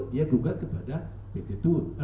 dia gugat kepada pt tun